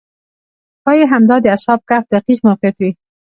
ښایي همدا د اصحاب کهف دقیق موقعیت وي.